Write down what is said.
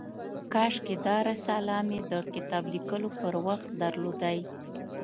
کاشکي دا رساله مې د کتاب لیکلو پر وخت درلودای.